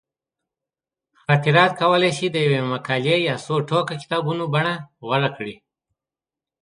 خاطرات کولی شي د یوې مقالې یا څو ټوکه کتابونو بڼه غوره کړي.